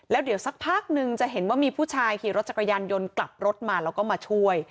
แล้วเดี๋ยวสักพักนึงจะเห็นว่ามีผู้ชายขี่รถจักรยานยนต์กลับรถมาแล้วก็มาช่วย